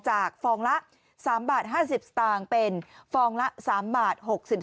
จากฟองละ๓๕๐บาทฟองละ๓๖๐บาท